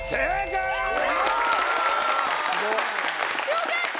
よかった。